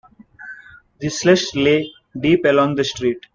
The slush lay deep along the street.